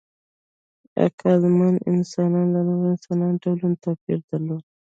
عقلمن انسانان له نورو انساني ډولونو توپیر درلود.